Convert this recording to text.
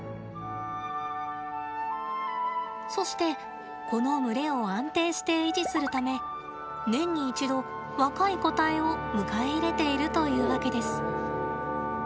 そして、この群れを安定して維持するため年に一度、若い個体を迎え入れているという訳です。